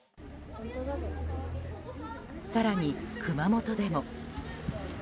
更に、熊本でも。